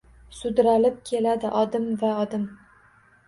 Sudralib keladi odim va odim.